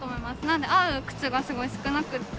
なので合う靴がすごい少なくて。